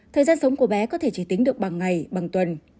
thời gian sống của bé có thể chỉ tính được bằng ngày bằng tuần